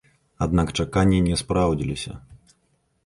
Аднак чаканні не спраўдзіліся.